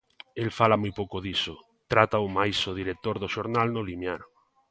El fala moi pouco diso, trátao máis o director do xornal no limiar.